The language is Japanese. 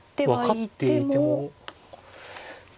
分かっていても。